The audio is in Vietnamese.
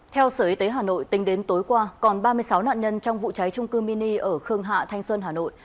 theo sở y tế hà nội tính đến tối qua còn ba mươi sáu nạn nhân trong vụ cháy trung cư mini ở khương hạ thanh xuân hà nội